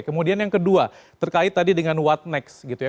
kemudian yang kedua terkait tadi dengan what next gitu ya